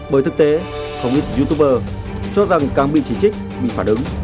bởi thực tế không ít youtuber cho rằng càng bị chỉ trích bị phản ứng